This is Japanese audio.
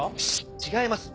違います。